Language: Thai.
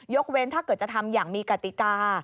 เว้นถ้าเกิดจะทำอย่างมีกติกา